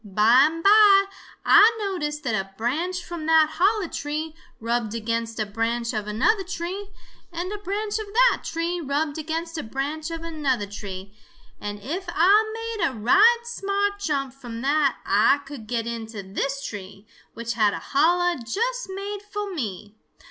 By and by Ah noticed that a branch from that holler tree rubbed against a branch of another tree, and a branch of that tree rubbed against a branch of another tree, and if Ah made a right smart jump from that Ah could get into this tree, which had a holler just made fo' me.